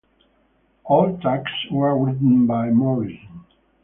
All tracks were written by Morrison.